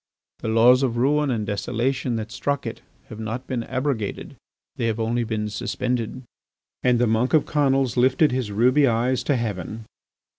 The laws of ruin and desolation that struck it have not been abrogated, they have only been suspended." And the monk of Conils lifted his ruby eyes to heaven.